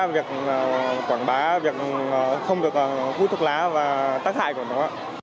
việc không được hút thuốc lá và tác hại của nó